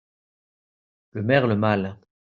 Le merle mâle